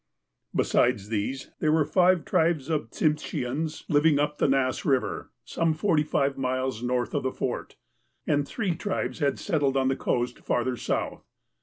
Besides these, there were five tribes of the Tsimsheans 54 THE APOSTLE OF ALASKA living up the Nass River, some forty five miles north of the Fort, and three tribes had settled ou the coast further south.